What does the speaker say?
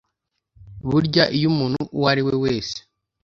Burya iyo umuntu uwo ariwe wese